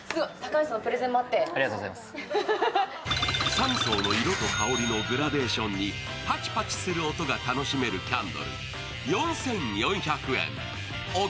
３層の色と香りのグラデーションにパチパチする音が楽しめるキャンドル。